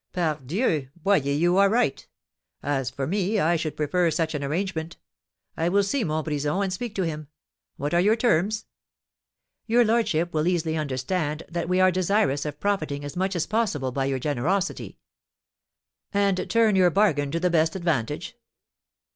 "Pardieu! Boyer, you are right. As for me, I should prefer such an arrangement. I will see Montbrison, and speak to him. What are your terms?" "Your lordship will easily understand that we are desirous of profiting as much as possible by your generosity." "And turn your bargain to the best advantage?